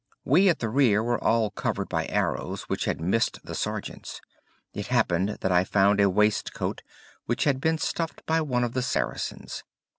We at the rear were all covered by arrows which had missed the Sergeants. It happened that I found a waistcoat which had been stuffed by one of the Saracens.